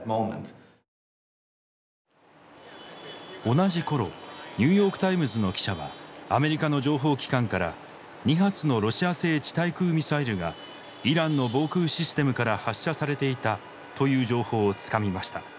同じ頃ニューヨーク・タイムズの記者はアメリカの情報機関から「２発のロシア製地対空ミサイルがイランの防空システムから発射されていた」という情報をつかみました。